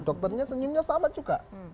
dokternya senyumnya sama juga